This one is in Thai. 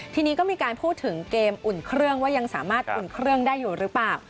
ทีนี้ก็มีการพูดถึงเกมอุ่นเครื่องว่ายังสามารถอุ่นเครื่องได้อยู่หรือเปล่า